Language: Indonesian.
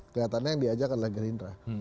kelihatannya yang diajak adalah gerindra